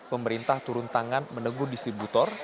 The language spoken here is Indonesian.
pemerintah turun tangan menegur distributor